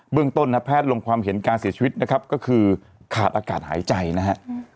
เรื่องต้นนะฮะแพทย์ลงความเห็นการเสียชีวิตนะครับก็คือขาดอากาศหายใจนะฮะ